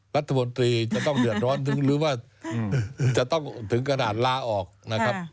รัฐมนตรีจะต้องเดือดร้อนถึงหรือว่าจะต้องถึงกระดาษลาออกนะครับ